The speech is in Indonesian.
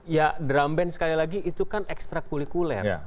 ya drum band sekali lagi itu kan ekstra kulikuler